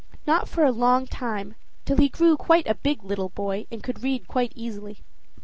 Not for a long time, till he grew quite a big little boy, and could read quite easily.